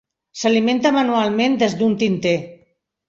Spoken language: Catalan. S'alimenta manualment des d'un tinter.